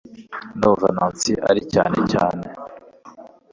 ndumva nancy ari cyane cyane